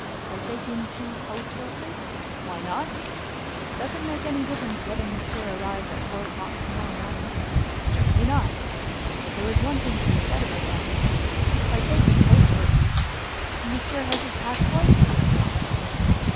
"By taking two post horses?" "Why not?" "Does it make any difference whether Monsieur arrives at four o'clock to morrow morning?" "Certainly not." "There is one thing to be said about that, you see, by taking post horses—Monsieur has his passport?" "Yes."